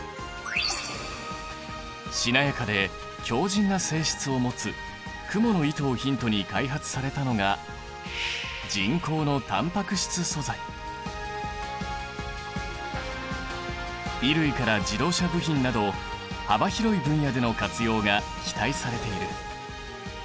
しなやかで強じんな性質を持つクモの糸をヒントに開発されたのが衣類から自動車部品など幅広い分野での活用が期待されている。